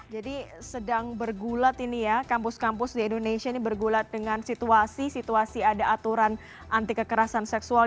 sedang bergulat ini ya kampus kampus di indonesia ini bergulat dengan situasi situasi ada aturan anti kekerasan seksual